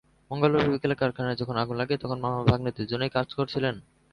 মঙ্গলবার বিকেলে কারখানায় যখন আগুন লাগে, তখন মামা-ভাগনে দুজনই কাজ করছিলেন।